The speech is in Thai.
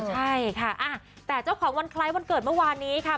ใช่ค่ะแต่เจ้าของวันคล้ายวันเกิดเมื่อวานนี้ค่ะ